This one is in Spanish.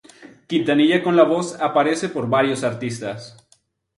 Quintanilla con la voz aparece por varios artistas.